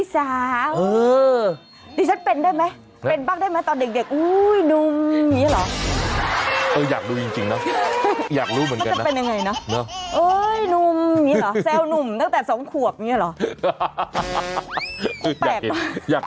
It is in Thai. สัญชาติยานนักล่า